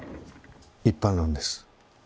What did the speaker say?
一般論です。